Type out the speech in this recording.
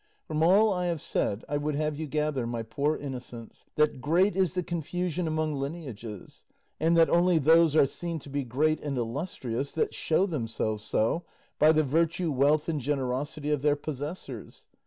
From all I have said I would have you gather, my poor innocents, that great is the confusion among lineages, and that only those are seen to be great and illustrious that show themselves so by the virtue, wealth, and generosity of their possessors.